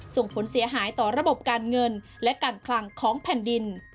ส่งผลเสียหายต่อระบบการเงินและการคลังของแผ่นดิน